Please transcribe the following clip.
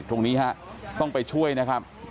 ตรงนี้ฮะต้องไปช่วยนะครับ